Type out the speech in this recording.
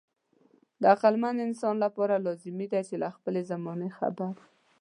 د عقلمن انسان لپاره لازمي ده چې له خپلې زمانې خبر وي.